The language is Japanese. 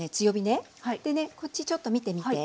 でねこっちちょっと見てみて。